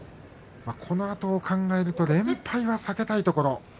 このあとを考えると連敗は避けたいところ。